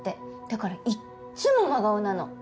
だからいっつも真顔なの。